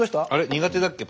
苦手だっけ？